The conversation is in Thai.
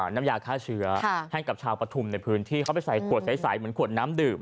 น้ำยาฆ่าเชื้อให้กับชาวปฐุมในพื้นที่เขาไปใส่ขวดใสเหมือนขวดน้ำดื่ม